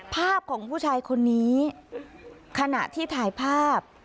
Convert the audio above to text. ภาพของผู้ชายคนนี้ขณะที่ถ่ายภาพ